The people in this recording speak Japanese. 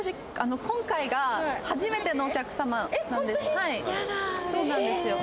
えはいそうなんですよ